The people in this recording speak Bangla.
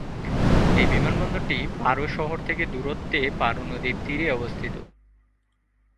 এই বিমানবন্দরটি পারো শহর থেকে দূরত্বে পারো নদীর তীরে অবস্থিত।